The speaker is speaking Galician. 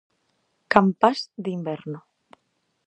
Campás de inverno.